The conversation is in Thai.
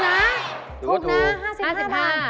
เห้ยถูกน่า